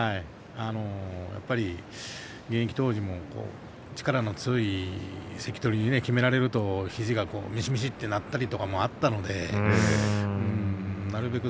やっぱり現役当時は力の強い関取にきめられると肘がみしみしとなったりということもあったのでなるべく